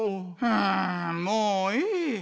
んもういい。